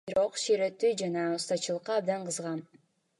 Бирок ширетүү жана устачылыкка абдан кызыгам.